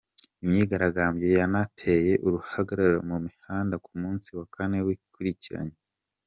Imyigaragambyo yanateye uruhagarara mu mihanda ku munsi wa kane wikurikiranya.